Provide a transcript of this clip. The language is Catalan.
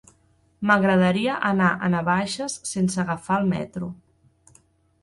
M'agradaria anar a Navaixes sense agafar el metro.